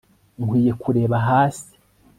nkwiye kureba hasi